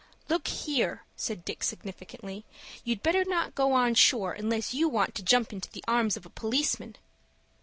"Look here," said Dick, significantly; "you'd better not go on shore unless you want to jump into the arms of a policeman."